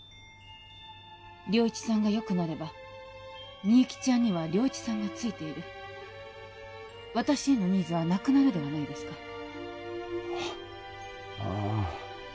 良一さんがよくなればみゆきちゃんには良一さんがついている私へのニーズはなくなるではないですかあっああ